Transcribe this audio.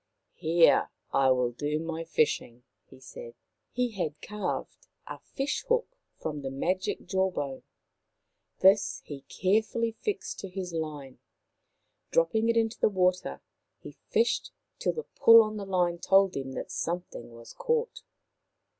" Here I will do my fishing," he said. He had carved a fish hook from the magic jaw bone. This he carefully fixed to his line. Drop ping it into the water, he fished till the pull on the line told him that something was caught.